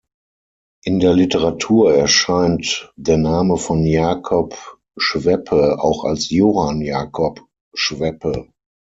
In der Literatur erscheint der Name von Jacob Schweppe auch als "Johann Jacob Schweppe".